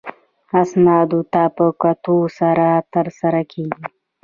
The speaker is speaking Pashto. اسنادو ته په کتو سره ترسره کیږي.